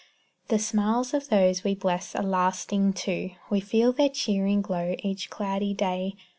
The smiles of those we bless are lasting, too; We feel their cheering glow each cloudy day.